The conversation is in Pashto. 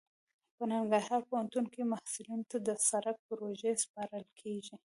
په ننګرهار پوهنتون کې محصلینو ته د سرک پروژې سپارل کیږي